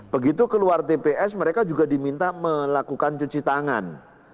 begitu keluar tps mereka juga diminta melakukan cuci tangan